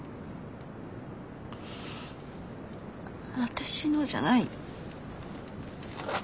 私のじゃない。